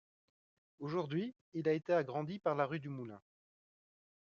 Aujourd'hui, il a été agrandi par la rue du Moulin.